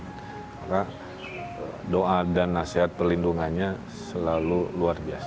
maka doa dan nasihat perlindungannya selalu luar biasa